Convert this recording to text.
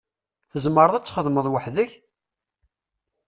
Tzemreḍ ad txedmeḍ weḥd-k?